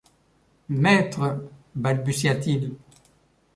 Maître, balbutia-t-il...